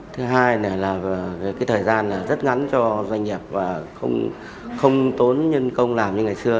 thứ hai là cái thời gian rất ngắn cho doanh nghiệp và không tốn nhân công làm như ngày xưa